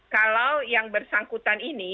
kalau yang bersangkutan ini